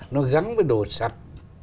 nó gắn với đồ sạch